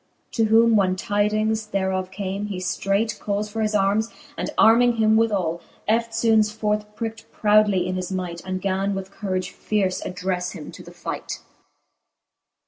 To whom when tydings thereof came, he ftreight Cals for his armes, and arming him withall, Eftfoones forth pricked proudly in his might, And gan with courage fierce addrefle him to the fight.